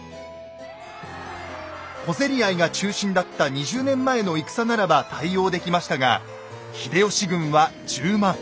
小競り合いが中心だった２０年前の戦ならば対応できましたが秀吉軍は１０万。